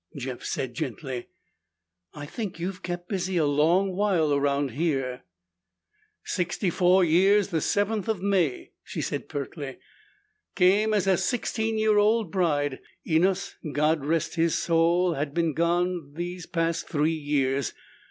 Jeff said gently, "I think you've kept busy a long while around here." "Sixty four years the seventh of May," she said pertly. "Came as a sixteen year old bride. Enos, God rest his soul, has been gone these past three years.